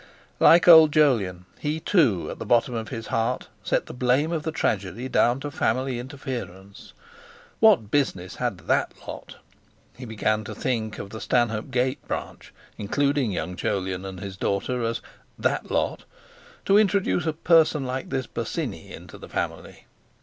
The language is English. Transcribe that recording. Like old Jolyon, he, too, at the bottom of his heart set the blame of the tragedy down to family interference. What business had that lot—he began to think of the Stanhope Gate branch, including young Jolyon and his daughter, as "that lot"—to introduce a person like this Bosinney into the family?